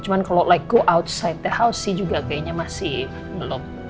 cuman kalau like go outside the house sih juga kayaknya masih belum